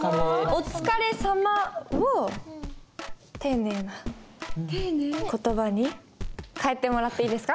「おつかれさま」を丁寧な言葉に変えてもらっていいですか？